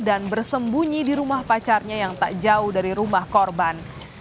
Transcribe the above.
bersembunyi di rumah pacarnya yang tak jauh dari rumah korban